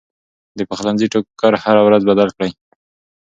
د پخلنځي ټوکر هره ورځ بدل کړئ.